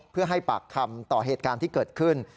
เพื่อให้ปากคำต่อเหตุการณ์ที่เกิดขึ้น